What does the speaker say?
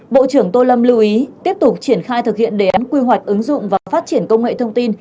bộ trưởng tô lâm lưu ý tiếp tục triển khai thực hiện đề án quy hoạch ứng dụng và phát triển công nghệ thông tin